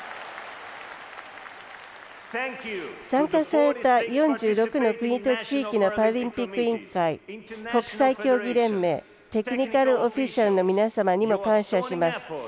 参加された４６の国と地域のパラリンピック委員会国際競技連盟テクニカルオフィシャルの皆様にも感謝します。